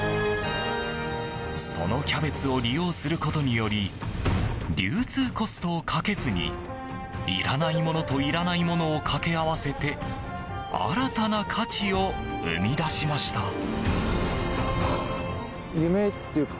そのキャベツを利用することにより流通コストをかけずにいらないものといらないものを掛け合わせて新たな価値を生み出しました。